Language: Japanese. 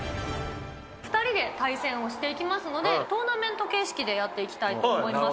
２人で対戦をしていきますので、トーナメント形式でやっていきたいと思います。